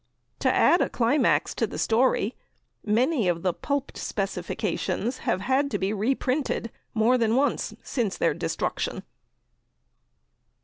To add a climax to the story, many of the "pulped" specifications have had to be reprinted more than once since their destruction.